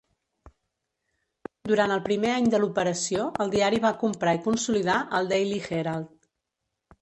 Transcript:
Durant el primer any de l'operació, el diari va comprar i consolidar el "Daily Herald".